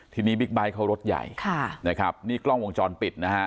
ทีนี้บิ๊กไบท์เขารถใหญ่ค่ะนะครับนี่กล้องวงจรปิดนะฮะ